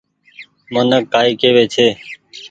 منک ڪآئي ڪيوي ڇي۔